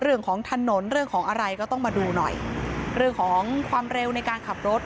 เรื่องของถนนเรื่องของอะไรก็ต้องมาดูหน่อยเรื่องของความเร็วในการขับรถ